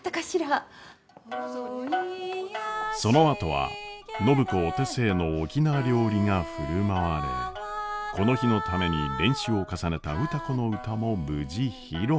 そのあとは暢子お手製の沖縄料理が振る舞われこの日のために練習を重ねた歌子の唄も無事披露。